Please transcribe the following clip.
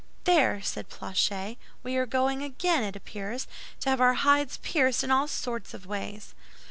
"There!" said Planchet. "We are going again, it appears, to have our hides pierced in all sorts of ways."